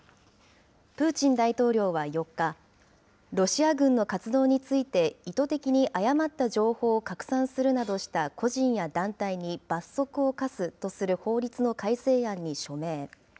プーチン大統領は４日、ロシア軍の活動について、意図的に誤った情報を拡散するなどした個人や団体に、罰則を科すとする法律の改正案に署名。